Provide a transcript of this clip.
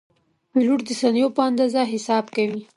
پیلوټ د ثانیو په اندازه حساب کوي.